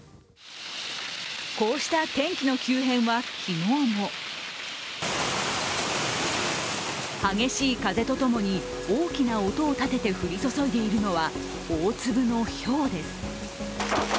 こうした天気の急変は昨日も激しい風とともに大きな音を立てて降り注いでいるのは大粒のひょうです。